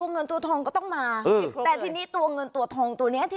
เงินตัวทองก็ต้องมาแต่ทีนี้ตัวเงินตัวทองตัวเนี้ยที่